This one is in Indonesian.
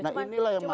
nah inilah yang matah